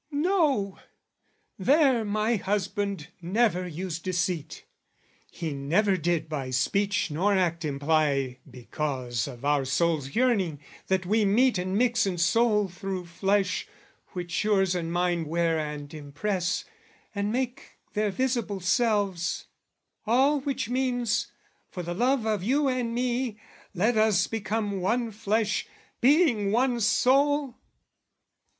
No! There my husband never used deceit. He never did by speech nor act imply "Because of our souls' yearning that we meet "And mix in soul through flesh, which yours and mine "Wear and impress, and make their visible selves, " All which means, for the love of you and me, "Let us become one flesh, being one soul!"